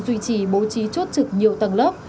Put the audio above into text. duy trì bố trí chốt trực nhiều tầng lớp